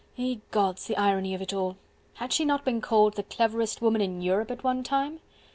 Ye gods! the irony of it all! Had she not been called the cleverest woman in Europe at one time?